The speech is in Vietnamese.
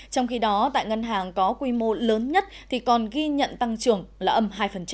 trong khi đó tại ngân hàng có quy mô lớn nhất thì còn ghi nhận tăng trưởng là âm hai